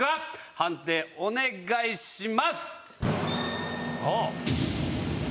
判定お願いします。